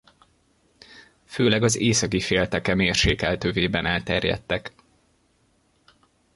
Főleg az északi félteke mérsékelt övében elterjedtek.